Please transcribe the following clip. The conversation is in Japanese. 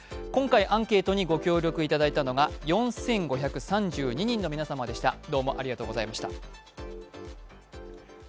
今回アンケートにご協力いただいたのが４５３２人の皆様でした。